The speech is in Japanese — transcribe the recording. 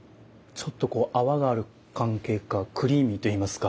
ちょっとこう泡がある関係かクリーミーといいますか。